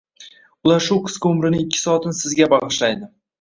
Ular shu qisqa umrining ikki soatini sizga bag’ishlaydi